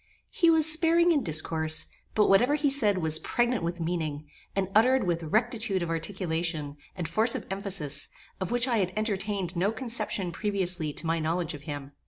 He was sparing in discourse; but whatever he said was pregnant with meaning, and uttered with rectitude of articulation, and force of emphasis, of which I had entertained no conception previously to my knowledge of him.